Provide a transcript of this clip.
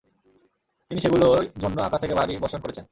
তিনিই সেগুলো জন্য আকাশ থেকে বারি বর্ষণ করেছেন।